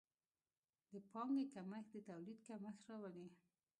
د پانګې کمښت د تولید کمښت راولي.